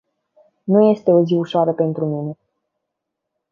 Nu este o zi ușoară pentru mine.